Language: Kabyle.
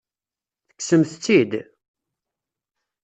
Tekksemt-t-id?